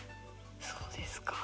そうですか。